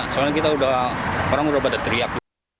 soalnya kita orang udah pada teriak